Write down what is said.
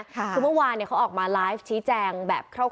คือเมื่อวานเขาออกมาไลฟ์ชี้แจงแบบคร่าว